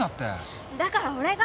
だから俺が。